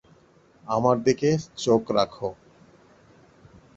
আমার দিকে চোখ রাখো।